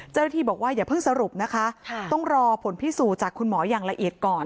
เจ้าหน้าที่บอกว่าอย่าเพิ่งสรุปนะคะต้องรอผลพิสูจน์จากคุณหมออย่างละเอียดก่อน